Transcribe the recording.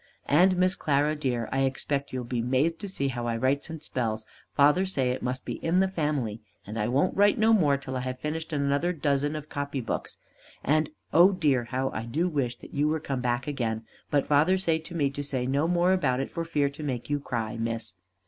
And Miss Clara dear, I expect you'll be mazed to see how I writes and spells, father say it must be in the family, and I won't write no more till I have finished another dozen of copy books; and oh dear how I do wish that you were come back again, but father say to me to say no more about it for fear to make you cry, Miss.